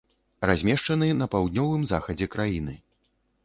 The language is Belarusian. Размешчаны на паўднёвым захадзе краіны.